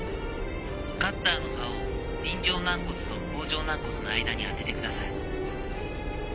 カッターの刃を輪状軟骨と甲状軟骨の間に当ててください。